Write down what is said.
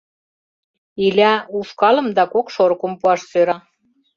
Иля ушкалым да кок шорыкым пуаш сӧра.